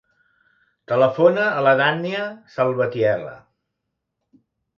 Telefona a la Dània Salvatierra.